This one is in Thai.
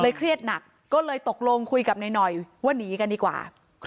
เครียดหนักก็เลยตกลงคุยกับนายหน่อยว่าหนีกันดีกว่า